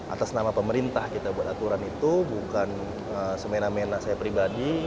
atas nama pemerintah kita buat aturan itu bukan semena mena saya pribadi